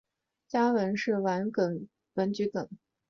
家纹是丸桔梗。